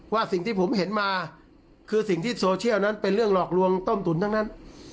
สิ่งที่ผมเห็นมาคือสิ่งที่โซเชียลนั้นเป็นเรื่องหลอกลวงต้มตุ๋นทั้งนั้น